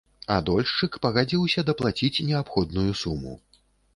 А дольшчык пагадзіўся даплаціць неабходную суму.